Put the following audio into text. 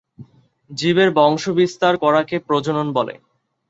জীবের বংশবিস্তার করাকে প্রজনন বলে।